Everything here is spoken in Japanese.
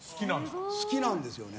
好きなんですよね。